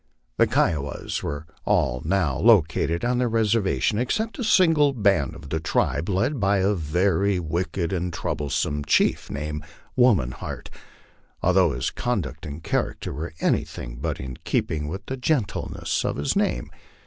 The Kiowas were now all located on their reservation except a single band of the tribe, led by a very wicked and troublesome chief, named Woman Heart, although his conduct and character were anything but in keeping with the gentleness of his name.